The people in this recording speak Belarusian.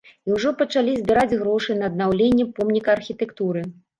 І ўжо пачалі збіраць грошы на аднаўленне помніка архітэктуры.